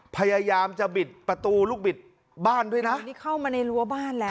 พยายามจะบิดประตูลูกบิดบ้านด้วยนะอันนี้เข้ามาในรั้วบ้านแล้ว